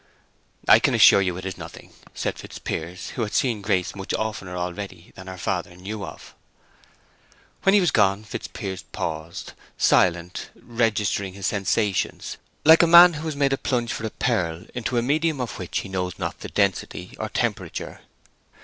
"I can assure you it is nothing," said Fitzpiers, who had seen Grace much oftener already than her father knew of. When he was gone Fitzpiers paused, silent, registering his sensations, like a man who has made a plunge for a pearl into a medium of which he knows not the density or temperature.